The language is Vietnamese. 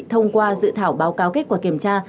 thông qua dự thảo báo cáo kết quả kiểm tra